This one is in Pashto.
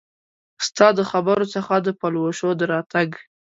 ستا د خبرو څخه د پلوشو د راتګ